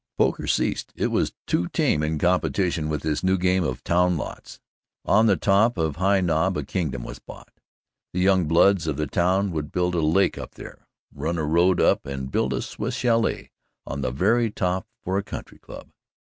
Poker ceased it was too tame in competition with this new game of town lots. On the top of High Knob a kingdom was bought. The young bloods of the town would build a lake up there, run a road up and build a Swiss chalet on the very top for a country club.